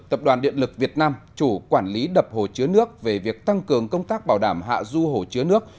tập đoàn điện lực việt nam chủ quản lý đập hồ chứa nước về việc tăng cường công tác bảo đảm hạ du hồ chứa nước